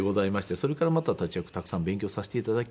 それからまた立役たくさん勉強させて頂き